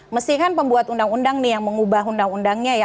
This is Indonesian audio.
mesti kan pembuat undang undang nih yang mengubah undang undangnya ya